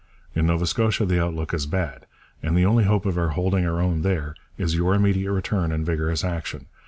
In Nova Scotia the outlook is bad, and the only hope of our holding our own there is your immediate return and vigorous action.